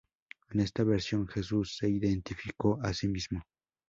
En esta versión Jesús se identificó a sí mismo.